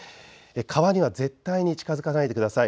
川には絶対に近づかないでください。